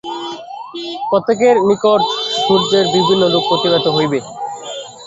প্রত্যেকের নিকট সূর্যের বিভিন্ন রূপ প্রতিভাত হইবে।